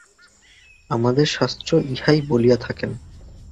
আমাদের শাস্ত্র ইহাই বলিয়া থাকেন।